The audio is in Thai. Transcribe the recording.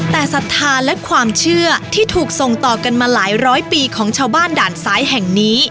แต่ศรัทธาและความเชื่อที่ถูกส่งต่อกันมาหลายร้อยปีของชาวบ้านด่านซ้ายแห่งนี้